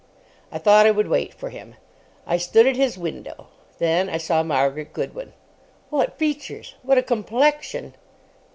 I thought I would wait for him. I stood at his window. Then I saw Margaret Goodwin. What features! What a complexion!